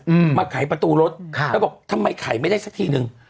อืมมาไขประตูรถค่ะแล้วบอกทำไมขายไม่ได้สักทีหนึ่ง